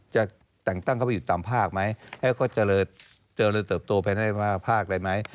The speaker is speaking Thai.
จะแต่งตั้งเข้าไปอยู่ตามภาคไหมให้เขาเจริญเจริญเติบโตภายในภาคได้ไหม